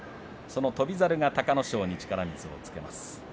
その翔猿が隆の勝に力水をつけます。